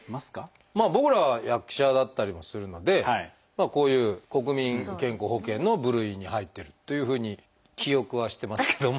僕らは役者だったりもするのでこういう国民健康保険の部類に入ってるというふうに記憶はしてますけども。